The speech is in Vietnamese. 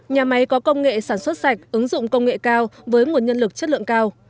nhà máy có công nghệ sản xuất sạch ứng dụng công nghệ cao với nguồn nhân lực chất lượng cao